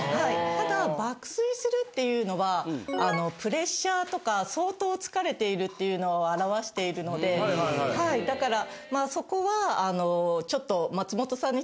ただ爆睡するっていうのはプレッシャーとか相当疲れているっていうのを表しているのでだからそこはちょっと。